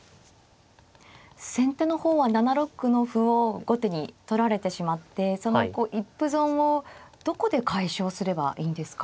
先手の方は７六の歩を後手に取られてしまってそのこう一歩損をどこで解消すればいいんですか。